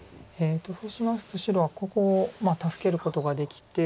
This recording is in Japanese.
そうしますと白はここを助けることができて。